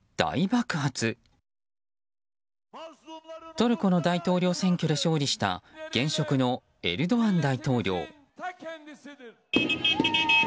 トルコの大統領選挙で勝利した現職のエルドアン大統領。